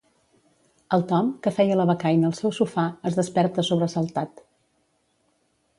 El Tom, que feia la becaina al seu sofà, es desperta sobresaltat.